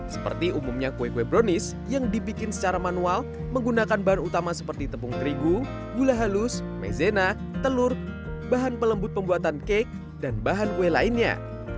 seperti umumnya kue kue brownies yang dibikin secara manual menggunakan bahan utama seperti tepung terigu gula halus maizena telur bahan pelembut pembuatan cake dan bahan kue lainnya